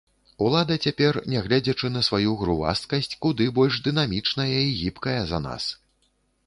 Улада цяпер, нягледзячы на сваю грувасткасць, куды больш дынамічная і гібкая за нас.